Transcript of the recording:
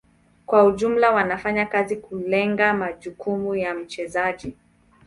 Kwa ujumla wanafanya kazi kulenga majukumu ya mchezaji.